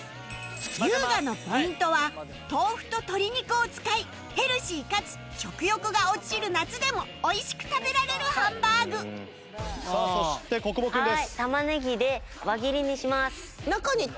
龍我のポイントは豆腐と鶏肉を使いヘルシーかつ食欲が落ちる夏でも美味しく食べられるハンバーグさあそして小久保君です。